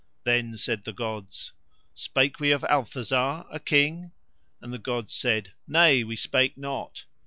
Then said the gods: "Spake we of Althazar, a King?" And the gods said: "Nay, we spake not."